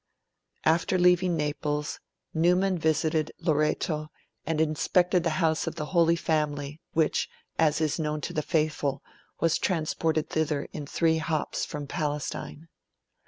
"' After leaving Naples, Newman visited Loreto, and inspected the house of the Holy Family, which, as is known to the faithful, was transported thither, in three hops, from Palestine.